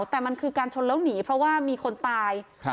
แต่มันคือการชนแล้วหนีเพราะว่ามีคนตาย